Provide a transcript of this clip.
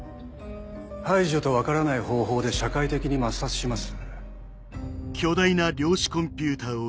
排除と分からない方法で社会的に抹殺します。